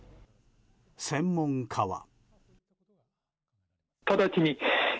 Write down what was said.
専門家は。